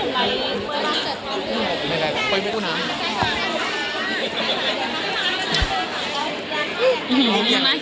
หน้าเกี่ยวมาก